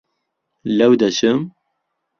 لەو دەچم؟